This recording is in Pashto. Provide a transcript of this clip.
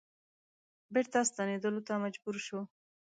بیرته ستنیدلو ته مجبور شو.